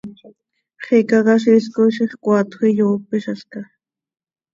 Xicaquiziil coi ziix coaatjö iyoopizalca.